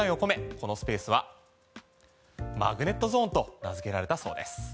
このスペースはマグネットゾーンと名付けられたそうです。